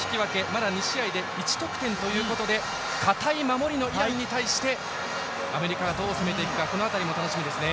まだ２試合で１得点ということで堅い守りのイランに対してアメリカがどう攻めていくかこの辺りも楽しみですね。